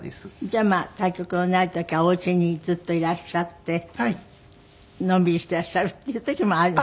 じゃあまあ対局のない時はお家にずっといらっしゃってのんびりしていらっしゃるっていう時もある。